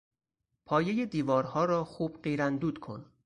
پایهی دیوارها را خوب قیر اندود کن.